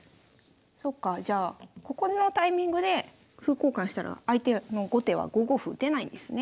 そっかじゃあここのタイミングで歩交換したら相手の後手は５五歩打てないんですね。